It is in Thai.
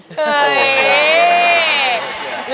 เห้ย